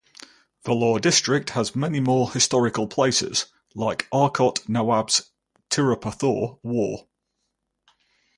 Vellore district has many more historical places like Arcot nawab's Tiruppathur war.